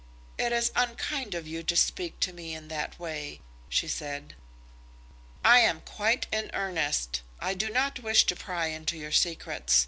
"It is unkind of you to speak to me in that way," she said. "I am quite in earnest. I do not wish to pry into your secrets.